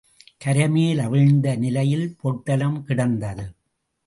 கரை மேல் அவிழ்ந்த நிலையில் பொட்டலம் கிடந்தது.